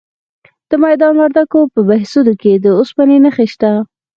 د میدان وردګو په بهسودو کې د اوسپنې نښې شته.